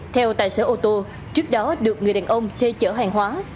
theo tài xế ô tô trước đó được người đàn ông thuê chở hàng hóa